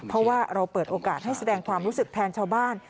เพราะว่าเราเปิดโอกาสให้แสดงความรู้สึกแทนชาวบ้าน